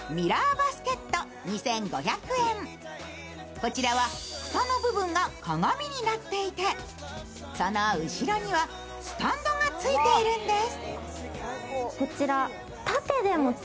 こちらは蓋の部分が鏡になっていてその後ろにはスタンドがついているんです。